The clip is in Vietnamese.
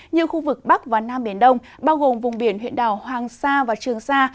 như khu vực bắc và nam biển đông bao gồm vùng biển huyện đảo hoàng sa và trường sa